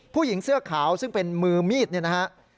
ผู้หญิงเสื้อขาวซึ่งเป็นมือมีดเนี่ยนะฮะ